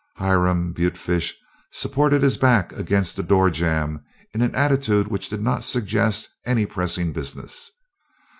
Hiram Butefish supported his back against the door jamb in an attitude which did not suggest any pressing business.